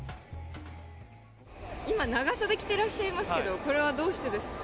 今、長袖着てらっしゃいますけど、これはどうしてですか。